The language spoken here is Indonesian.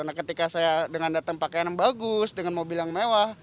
nah ketika saya dengan datang pakaian yang bagus dengan mobil yang mewah